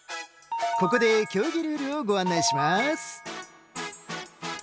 ここで競技ルールをご案内します。